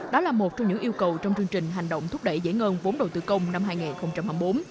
đó là một trong những yêu cầu trong chương trình hành động thúc đẩy giải ngân vốn đầu tư công năm hai nghìn hai mươi bốn